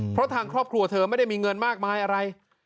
เพราะทางครอบครัวเธอไม่ได้มีเงินมากมายอะไร